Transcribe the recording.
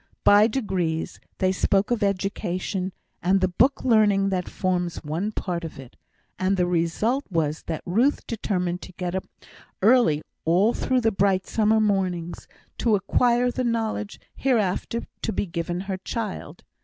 By degrees they spoke of education, and the book learning that forms one part of it; and the result was that Ruth determined to get up early all through the bright summer mornings, to acquire the knowledge hereafter to be given to her child.